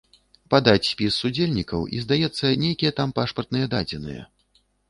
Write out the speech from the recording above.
Падаць спіс удзельнікаў і, здаецца, нейкія там пашпартныя дадзеныя.